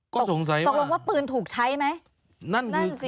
ก็สงสัยว่าตกลงว่าปืนถูกใช้ไหม